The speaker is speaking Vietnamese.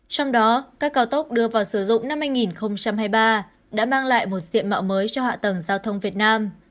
trong đó các cao tốc đưa vào sử dụng năm hai nghìn hai mươi ba đã mang lại một diện mạo mới cho hạ tầng giao thông việt nam